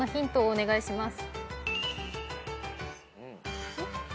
お願いします。